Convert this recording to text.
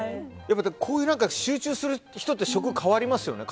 こういう集中する人って食変わってますよね。